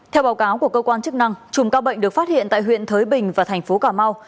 theo báo cáo của cơ quan chức năng chùm ca bệnh được phát hiện tại huyện thới bình và thành phố cà mau